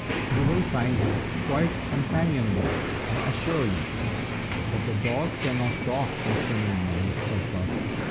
You will find her quite companionable, I assure you." "But the dolls cannot talk, Mr. Moonman!" said Puff.